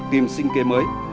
tìm sinh kế mới